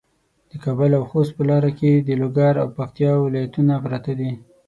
د کابل او خوست په لاره کې د لوګر او پکتیا ولایتونه پراته دي.